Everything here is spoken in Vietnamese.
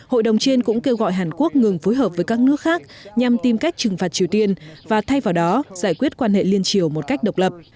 hội đồng trên cũng kêu gọi hàn quốc ngừng phối hợp với các nước khác nhằm tìm cách trừng phạt triều tiên và thay vào đó giải quyết quan hệ liên triều một cách độc lập